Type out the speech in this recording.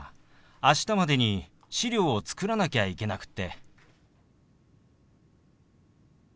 明日までに資料を作らなきゃいけなくって。